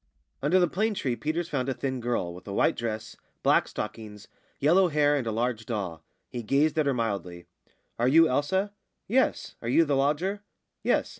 Under the plane tree Peters found a thin girl, with a white dress, black stockings, yellow hair, and a large doll. He gazed at her mildly. "Are you Elsa?" "Yes. Are you the lodger?" "Yes."